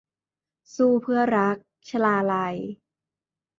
สู้เพื่อรัก - ชลาลัย